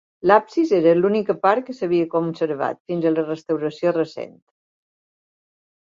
L'absis era l'única part que s'havia conservat, fins a la restauració recent.